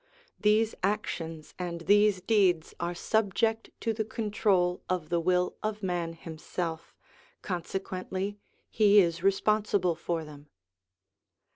These actions and these deeds are subject to the control of the will of man himself, consequently he is responsible for them.